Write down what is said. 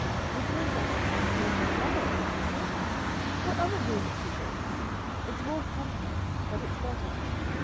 "Because, I suppose, the other thing is better. What other reason could there be? It's more complex, but it's better.